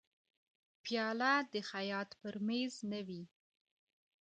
پیاله د خیاط پر مېز نه وي.